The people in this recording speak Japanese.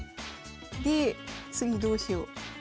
で次どうしよう。